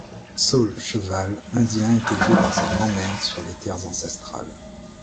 Saul Cheval indien est élevé par sa grand-mère sur les terres ancestrales.